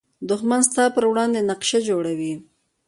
دښمن ستا پر وړاندې نقشه جوړوي